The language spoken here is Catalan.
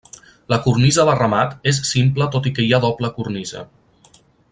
La cornisa de remat és simple tot i que hi ha doble cornisa.